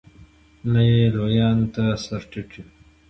نه یې لویانو ته سر ټيټ و.